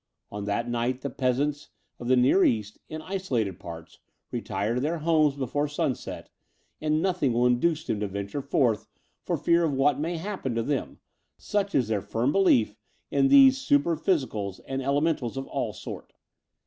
On that night the peasants of the Near East, in isolated parts, retire to their homes before sunset, and nothing will induce them to vaiture forth for fear of what may happen to them, such is their firm belief in these super phy sicals and elementals of all sorts.